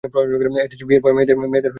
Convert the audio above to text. এ দেশে বিয়ের পর মেয়েদের পড়াশোনা হয় না।